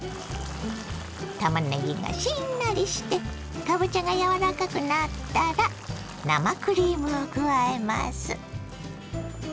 たまねぎがしんなりしてかぼちゃが柔らかくなったら生クリームを加えます。